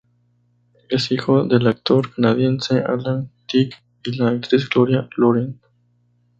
Es hijo del actor canadiense Alan Thicke y la actriz Gloria Loring.